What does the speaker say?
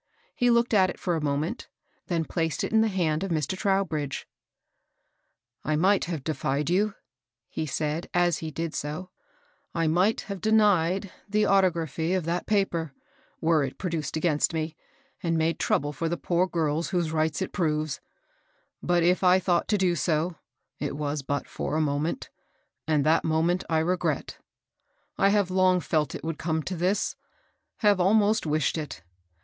He looked at it for a moment, then placed it in the hand of Mr. Trowbridge. " I might have defied you," he said, as he did so^ — "I nugTit \iwe dfcwvedthfi autogaphy of that LAW AND JUSTICE. 421 paper, were it produced against me, and made trouble for the poor girls whose rights it proves ; but if I thought to do so, it was but for a moment, and that one moment I regret. I have long felt it would come to this, — have almost wished it.